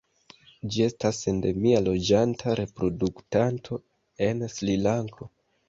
Ĝi estas endemia loĝanta reproduktanto en Srilanko.